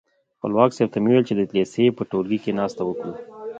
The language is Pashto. خپلواک صاحب ته مې وویل چې د لېسې په ټولګي کې ناسته وکړو.